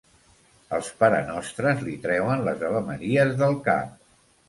Els parenostres li treuen les avemaries del cap.